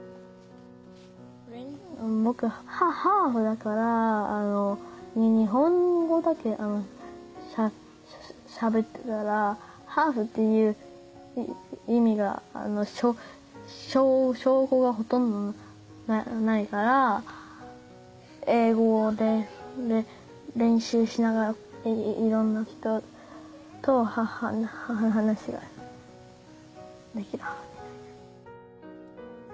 僕ハーフだから日本語だけしゃべってたらハーフっていう意味が証拠がほとんどないから英語で練習しながらいろんな人と話ができるハーフになりたい。